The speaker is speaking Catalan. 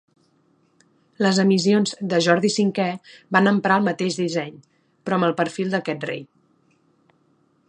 Les emissions de Jordi V van emprar el mateix disseny, però amb el perfil d'aquest rei.